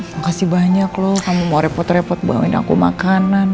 makasih banyak loh kamu mau repot repot bawain aku makanan